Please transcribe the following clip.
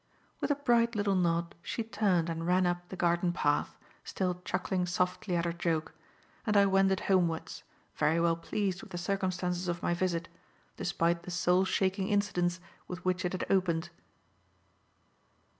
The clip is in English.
With a bright little nod she turned and ran up the garden path, still chuckling softly at her joke; and I wended homewards, very well pleased with the circumstances of my visit, despite the soul shaking incidents with which it had opened.